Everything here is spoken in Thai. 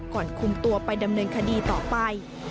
ก่อนคุมตัวไปดำเนินคดีต่อไป